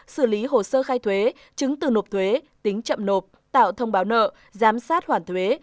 xử lý hồ sơ khai thuế chứng từ nộp thuế tính chậm nộp tạo thông báo nợ giám sát hoàn thuế